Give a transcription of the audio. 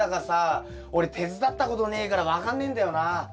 俺手伝ったことねえから分かんねえんだよな。